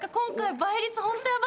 倍率？